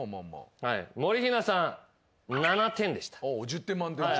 １０点満点中。